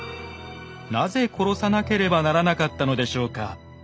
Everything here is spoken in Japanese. なぜ殺さなければならなかったのでしょうか。